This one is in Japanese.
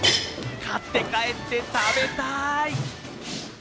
買って帰って食べたい。